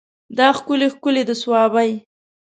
دا ښکلي ښکلي د صوابی